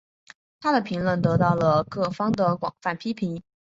她的评论得到了各方的广泛批评。